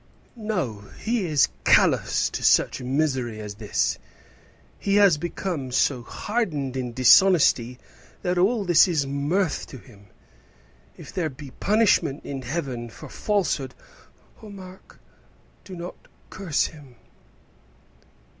No; he is callous to such misery as this. He has become so hardened in dishonesty that all this is mirth to him. If there be punishment in heaven for falsehood " "Oh, Mark, do not curse him!"